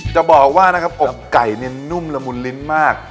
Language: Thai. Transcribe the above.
จะบอกว่านะครับอบไก่เนี่ยนุ่มละมุนลิ้นมาก